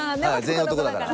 全員男だから。